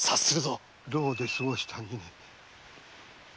牢で過ごした二年。